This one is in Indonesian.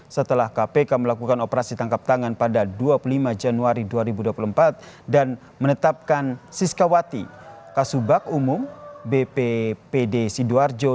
setelah kpk melakukan operasi tangkap tangan pada dua puluh lima januari dua ribu dua puluh empat dan menetapkan siskawati kasubak umum bppd sidoarjo